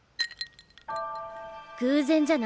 偶然じゃないわ。